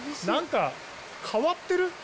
なんか、変わってる？